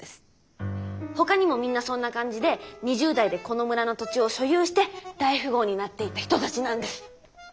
他にもみんなそんな感じで２０代でこの村の土地を「所有」して大富豪になっていった人たちなんです。